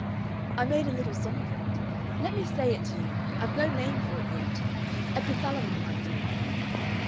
"I made a little song of it. Let me say it to you. I've no name for it yet. Epithalamy might do.